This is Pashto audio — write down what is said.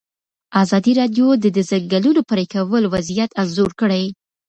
ازادي راډیو د د ځنګلونو پرېکول وضعیت انځور کړی.